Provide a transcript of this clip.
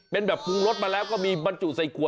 เป็นแบบปรุงรสมาแล้วก็มีบรรจุใส่ขวด